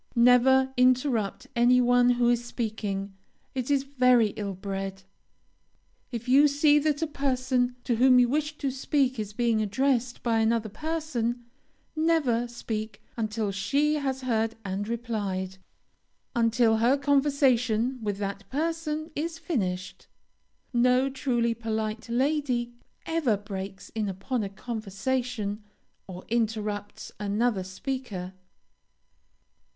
Never interrupt any one who is speaking. It is very ill bred. If you see that a person to whom you wish to speak is being addressed by another person, never speak until she has heard and replied; until her conversation with that person is finished. No truly polite lady ever breaks in upon a conversation or interrupts another speaker.